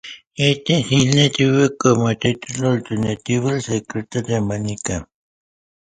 Este filme tuvo como título alternativo El secreto de Mónica.